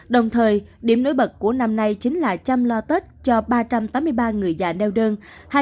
đồng thời điểm nối bật của năm nay chính là chăm lo tết cho ba trăm tám mươi ba người già neo đơn